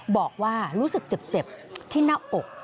บอกว่ารู้สึกเจ็บที่หน้าอก